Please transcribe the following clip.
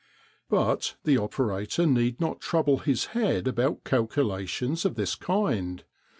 _] But the operator need not trouble his head about calculations of this kind.